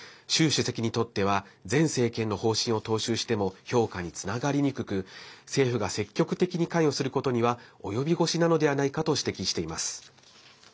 主席にとっては前政権の方針を踏襲しても評価につながりにくく政府が積極的に関与することには及び腰なのではないかと指摘しています。